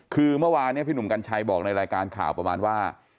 คือเมื่อวานเนี่ยพี่หนุ่มกัญชัยบอกในรายการข่าวประมาณว่า